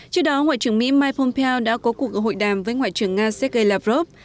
trước đó ngoại trưởng mỹ mike pompeo đã có cuộc hội đàm với ngoại trưởng nga sergei lavrov